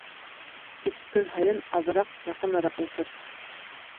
Тик көн һайын аҙыраҡ яҡыныраҡ ултыр...